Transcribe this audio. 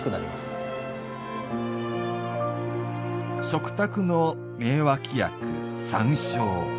食卓の名脇役「山椒」。